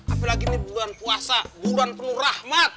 apalagi nih di bulan puasa buluan penuh rahmat